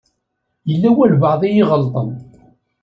Yella walebɛaḍ i iɣelṭen.